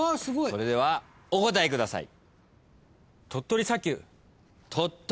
それではお答えください。